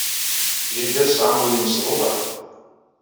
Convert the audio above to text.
Jida tesɛa ul-nnes d uḍɛif.